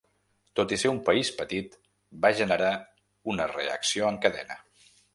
Tot i ser un país petit, va generar una reacció en cadena.